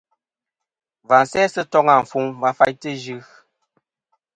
Và sæ sɨ toŋ afuŋ va faytɨ Ɨ yɨ.